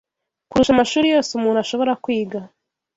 kurusha amashuri yose umuntu ashobora kwiga